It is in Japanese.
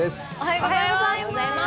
おはようございます。